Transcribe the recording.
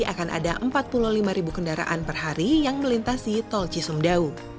akan ada empat puluh lima ribu kendaraan per hari yang melintasi tol cisumdau